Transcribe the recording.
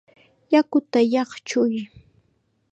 ¡Yakuta chaqchuy!